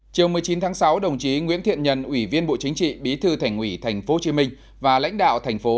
chiều một mươi chín tháng sáu đồng chí nguyễn thiện nhân ủy viên bộ chính trị bí thư thành ủy tp hcm và lãnh đạo thành phố